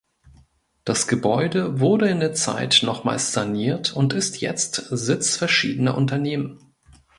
Das Gebäude wurde in der Zeit nochmals saniert und ist jetzt Sitz verschiedener Unternehmen.